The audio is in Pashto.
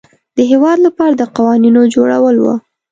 د هیواد لپاره د قوانینو جوړول وه.